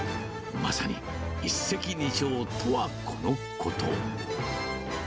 まさに、一石二鳥とはこのこと。